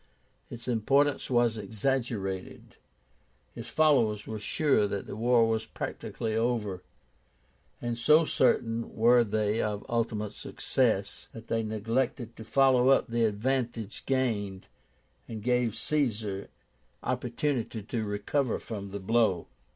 Its importance was exaggerated. His followers were sure that the war was practically over; and so certain were they of ultimate success that they neglected to follow up the advantage gained, and gave Caesar opportunity to recover from the blow.